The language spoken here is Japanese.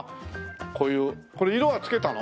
こういうこれ色は付けたの？